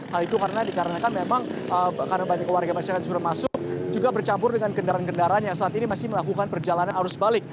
hal itu karena dikarenakan memang karena banyak warga masyarakat sudah masuk juga bercampur dengan kendaraan kendaraan yang saat ini masih melakukan perjalanan arus balik